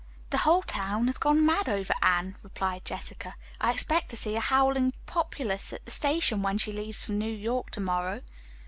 "The whole town has gone mad over Anne," replied Jessica. "I expect to see a howling populace at the station when she leaves for New York to morrow."